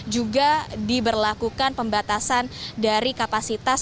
juga diberlakukan pembatasan dari kapasitas